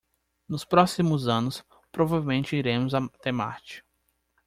Nos próximos anos, provavelmente iremos até Marte.